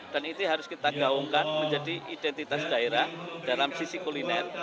dan itu harus kita gaungkan menjadi identitas daerah dalam sisi kuliner